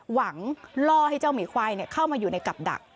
ล่อให้เจ้าหมีควายเข้ามาอยู่ในกับดัก